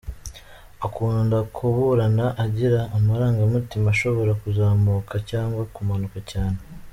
Akunda kuburana, agira amarangamutima ashobora kuzamuka cyangwa kumanuka cyane.